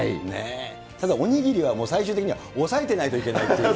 ただお握りはもう最終的には、押さえてないといけないっていう。